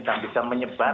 dan bisa menyebabkan